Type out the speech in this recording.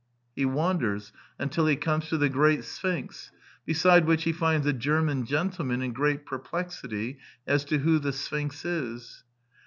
He wanders until he comes to the Great Sphinx, beside which he finds a German gentleman in great perplexity as to who the Sphinx is.